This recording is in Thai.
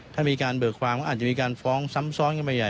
ถ้ามีการเบิกความก็อาจจะมีการฟ้องซ้ำซ้อนกันมาใหญ่